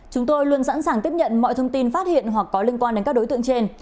chúng tôi luôn sẵn sàng tiếp nhận mọi thông tin phát hiện hoặc có liên quan đến các đối tượng trên